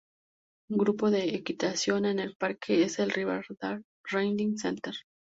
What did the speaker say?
Un grupo de equitación en el parque es el "Riverdale Riding Center".